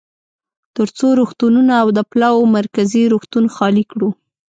ترڅو روغتونونه او د پلاوا مرکزي روغتون خالي کړو.